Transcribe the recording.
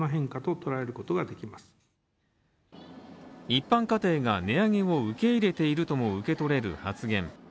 一般家庭が値上げを受け入れているとも受け取れる発言。